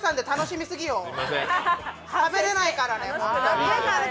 食べれないからね。